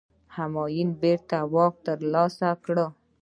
همایون بیرته واک ترلاسه کړ.